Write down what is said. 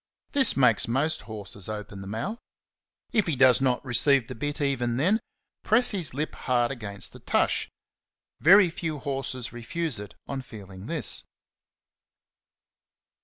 This makes most horses open the mouth. If he does not receive the bit even then, press his lip hard against the tush ; very few horses refuse it on feeling this.